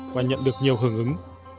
và nhận được nhiều hưởng ứng